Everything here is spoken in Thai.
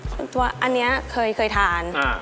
เพราะว่าอันนี้เคยทาน